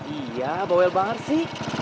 iya bawel banget sih